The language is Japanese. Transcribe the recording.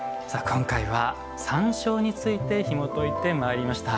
今回は山椒についてひもといてまいりました。